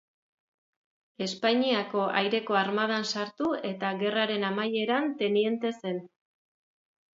Espainiako Aireko Armadan sartu eta gerraren amaieran teniente zen.